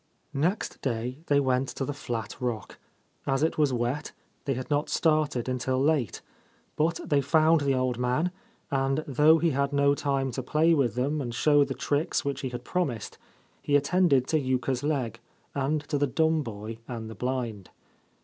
Next day they went to the flat rock. As it was wet, they had not started until late ; but they found the old man, and, though he had no time to play with them and show the tricks which he had promised, he attended to Yuka's leg, and to the dumb boy and the blind.